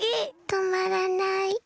とまらない。